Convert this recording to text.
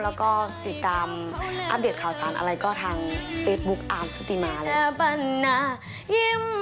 แล้วก็ติดตามอัปเดตข่าวสารอะไรก็ทางเฟซบุ๊คอาร์มชุติมาแล้ว